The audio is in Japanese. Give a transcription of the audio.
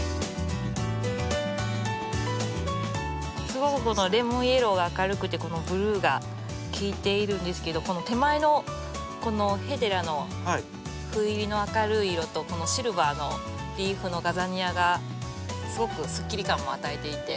すごくこのレモンイエローが明るくてこのブルーがきいているんですけどこの手前のこのヘデラのふ入りの明るい色とこのシルバーのリーフのガザニアがすごくすっきり感も与えていて。